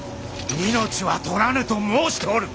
命は取らぬと申しておる！